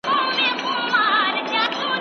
په دې سيمه کي کتابونه کم موندل کېږي.